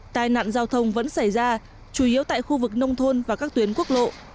tai nạn giao thông vẫn xảy ra chủ yếu tại khu vực nông thôn và các tuyến quốc lộ